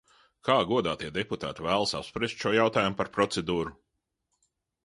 Kā godātie deputāti vēlas apspriest šo jautājumu par procedūru?